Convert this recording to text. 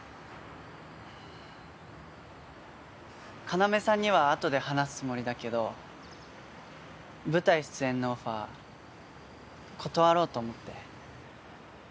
要さんにはあとで話すつもりだけど舞台出演のオファー断ろうと思って。